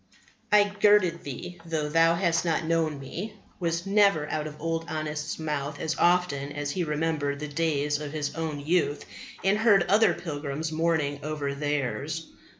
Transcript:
"I girded thee though thou hast not known Me" was never out of Old Honest's mouth as often as he remembered the days of his own youth and heard other pilgrims mourning over theirs.